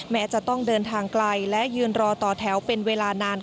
จะต้องเดินทางไกลและยืนรอต่อแถวเป็นเวลานาน